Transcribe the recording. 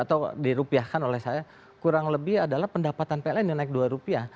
atau dirupiahkan oleh saya kurang lebih adalah pendapatan pln yang naik dua rupiah